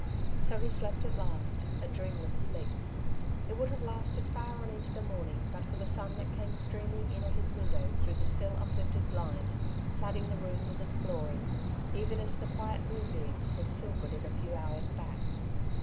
So he slept at last — a dreamless sleep. It would have lasted far on into the morning but for the sun that came streaming in at his window through the still uplifted blind, flooding the room with its glory, even as the quiet moonbeams had silvered it a few hours back.